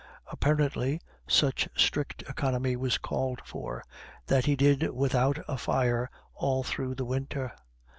Apparently, such strict economy was called for, that he did without a fire all through the winter.